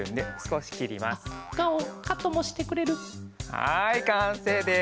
はいかんせいです！